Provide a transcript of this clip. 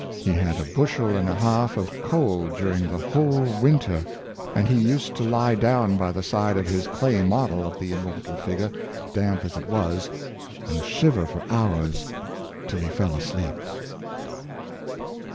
He had a bushel and a half of coal during the whole winter; and he used to lie down by the side of his clay model of the immortal figure, damp as it was, and shiver for hours till he fell asleep.